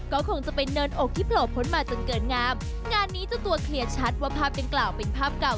ก็คงจะเป็นเนินอกที่โผล่พ้นมาจนเกินงามงานนี้เจ้าตัวเคลียร์ชัดว่าภาพดังกล่าวเป็นภาพเก่า